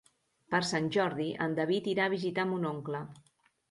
Per Sant Jordi en David irà a visitar mon oncle.